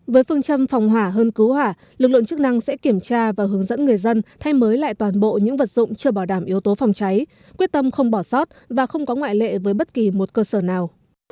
với phương châm phòng hỏa hơn cứu hỏa lực lượng chức năng sẽ kiểm tra và hướng dẫn người dân thay mới lại toàn bộ những vật dụng chưa bảo đảm yếu tố phòng cháy quyết tâm không bỏ sót và không có ngoại lệ với bất kỳ một cơ sở nào